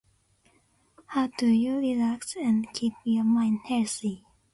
How do you relax and keep your mind healthy?